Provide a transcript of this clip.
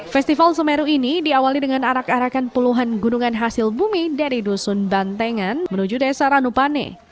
festival semeru ini diawali dengan arak arakan puluhan gunungan hasil bumi dari dusun bantengan menuju desa ranupane